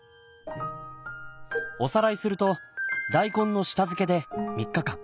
おさらいすると大根の下漬けで３日間。